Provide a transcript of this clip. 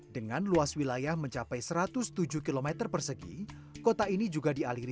dengan luas wilayah mencapai satu ratus tujuh km persegi kota ini juga dialir